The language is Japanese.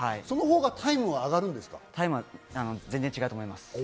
そのほうがタイムは上がるんです全然違うと思います。